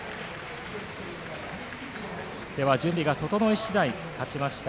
準備が整い次第勝ちました